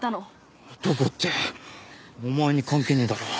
どこってお前に関係ねえだろう。